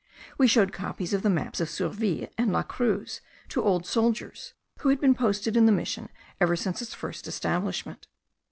We showed copies of the maps of Surville and La Cruz to old soldiers, who had been posted in the mission ever since its first establishment.